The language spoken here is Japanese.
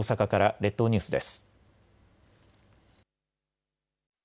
列島ニュースです。